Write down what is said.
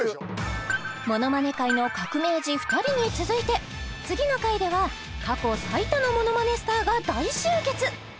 ものまね界の革命児２人に続いて次の回では過去最多のものまねスターが大集結！